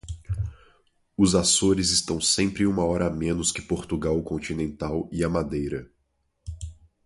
Os Açores estão sempre uma hora a menos que Portugal continental e a Madeira.